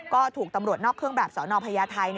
ก็ถูกตำรวจนอกเครื่องแบบสนพญาไทย